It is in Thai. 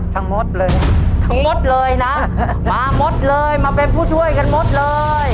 ทั้งหมดเลยทั้งหมดเลยนะมาหมดเลยมาเป็นผู้ช่วยกันหมดเลย